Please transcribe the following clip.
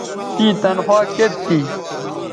تیں تنخوا کیئت تھی